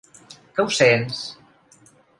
Que ho sents?